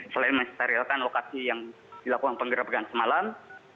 selain mensterialkan lokasi yang dilakukan penggerbegan semalam